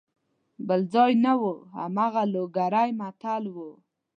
بل ځای نه وو هماغه لوګری متل وو.